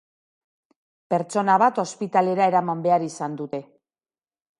Pertsona bat ospitalera eraman behar izan dute.